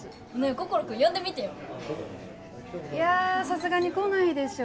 心君呼んでみてよいやさすがに来ないでしょ